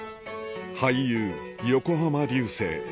俳優横浜流星